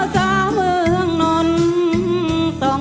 ใช้